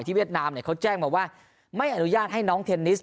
เวียดนามเนี่ยเขาแจ้งมาว่าไม่อนุญาตให้น้องเทนนิส